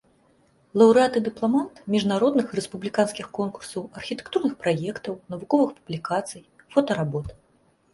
Лаўрэат і дыпламант міжнародных і рэспубліканскіх конкурсаў архітэктурных праектаў, навуковых публікацый, фотаработ.